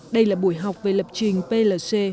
đây là buổi học về lập trình plc